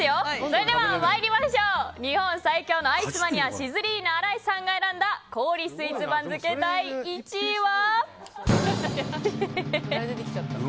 それでは参りましょう日本最強のアイスマニアシズリーナ荒井さんが選んだ氷スイーツ番付の第１位は。